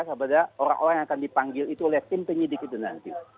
kepada orang orang yang akan dipanggil itu oleh tim penyidik itu nanti